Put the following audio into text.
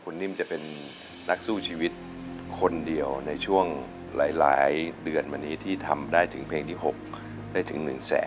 คุณนิ่มจะเป็นนักสู้ชีวิตคนเดียวในช่วงหลายเดือนวันนี้ที่ทำได้ถึงเพลงที่๖ได้ถึง๑แสน